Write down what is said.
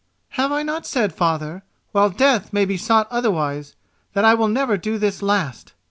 "Have I not said, father, while death may be sought otherwise, that I will never do this last?